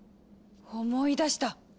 思い出した。